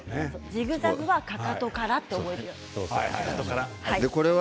ジグザグはかかとからということで。